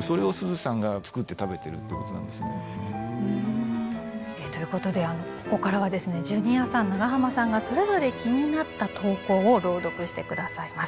それをすずさんが作って食べてるってことなんですね。ということでここからはですねジュニアさん長濱さんがそれぞれ気になった投稿を朗読して下さいます。